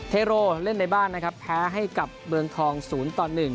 เทโรเล่นในบ้านนะครับแพ้ให้กับเมืองทอง๐ต่อ๑